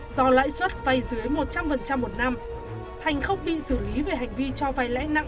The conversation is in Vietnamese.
do lãi suất vay dưới một trăm linh một năm thành không bị xử lý về hành vi cho vay lãi nặng